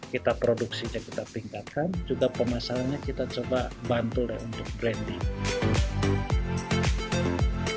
kita produksinya kita tingkatkan juga pemasarannya kita coba bantu untuk branding